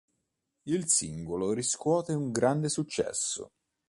Il singolo riscuote un grande successo.